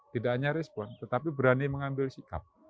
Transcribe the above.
tidak hanya respon tetapi berani mengambil sikap